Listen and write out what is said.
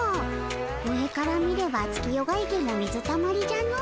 上から見れば月夜が池も水たまりじゃの。